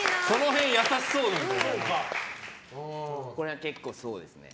これは結構そうですね。